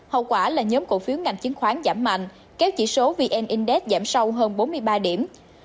hậu quả là nhóm cổ phiếu ngành chứng khoán giảm mạnh kéo chỉ số vn index giảm sâu hơn bốn mươi ba điểm